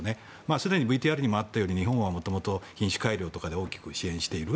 すでにＶＴＲにもあったように日本はもともと品種改良とかで大きく支援している。